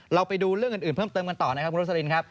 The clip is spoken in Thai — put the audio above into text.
เราไปดูเรื่องอื่นเพิ่มเติมกันต่อนะครับคุณรสลินครับ